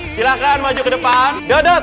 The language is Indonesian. silahkan maju ke depan dodo